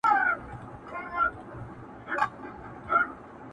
زخمي زړه مي په غمو د جانان زېر سو٫